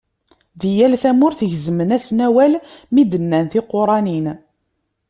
Di yal tamurt gezmen-asen awal mi d-nnan tiquranin.